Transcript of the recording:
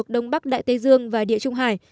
đại tây dương và địa trung hải